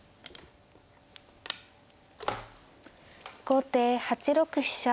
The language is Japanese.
後手８六飛車。